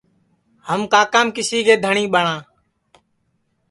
ہم کاکام کسی کے دھٹؔی ٻٹؔا